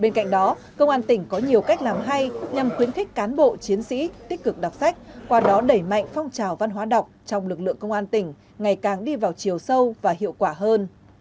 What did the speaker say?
bên cạnh đó công an tỉnh có nhiều cách làm hay nhằm khuyến khích cán bộ chiến sĩ tích cực đọc sách qua đó đẩy mạnh phong trào văn hóa đọc trong lực lượng công an tỉnh ngày càng đi vào chiều sâu và hiệu quả hơn